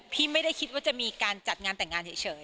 ไม่ได้คิดว่าจะมีการจัดงานแต่งงานเฉย